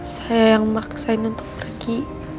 saya yang memaksain untuk pergi